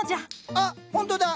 あっほんとだ。